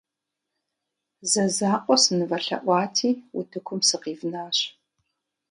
Зэ закъуэ сынывэлъэӀуати, утыкум сыкъивнащ.